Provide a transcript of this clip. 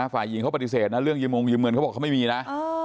ฝ่ายหญิงเขาปฏิเสธนะเรื่องยืมงยืมเงินเขาบอกเขาไม่มีนะ